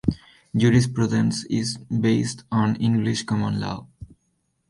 Jurisprudence is based on English common law.